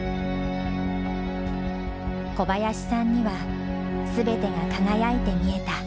小林さんにはすべてが輝いて見えた。